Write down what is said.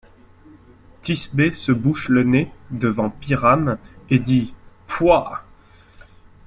Thisbé se bouche le nez devant Pyrame et dit: Pouah!